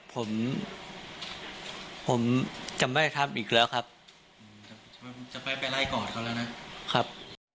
ครับ